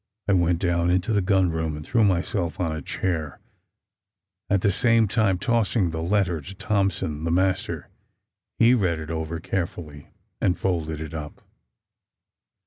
I went down into the gun room and threw myself on a chair, at the same time tossing the letter to Thompson, the master. He read it over carefully, and folded it up.